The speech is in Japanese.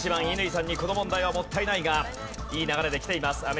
乾さんにこの問題はもったいないがいい流れできています。